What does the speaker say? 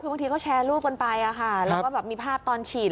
บางทีก็แชร์รูปลงไปแล้วก็มีภาพตอนฉีด